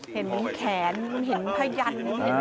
เห็นแขนเห็นพยัน